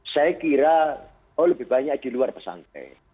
saya kira lebih banyak di luar pesantren